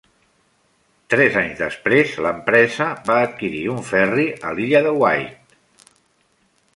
Tres anys després, l'empresa va adquirir un ferri a l'illa de Wight.